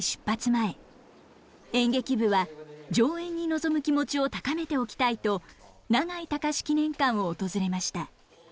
前演劇部は上演に臨む気持ちを高めておきたいと永井隆記念館を訪れました。